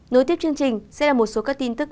nối tiếp chương trình sẽ là một số các tin tức